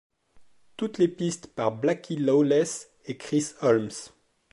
Toutes les pistes par Blackie Lawless et Chris Holmes.